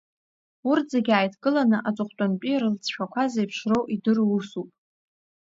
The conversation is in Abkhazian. Урҭ зегьы ааидкыланы аҵыхәтәантәи рлыҵшәақәа зеиԥшроу, идыру усуп.